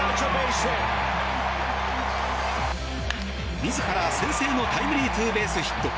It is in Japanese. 自ら先制のタイムリーツーベースヒット。